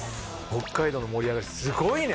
北海道の盛り上がりすごいね！